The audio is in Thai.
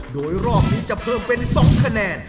โดยรอบนี้จะเพิ่มเป็น๒คะแนน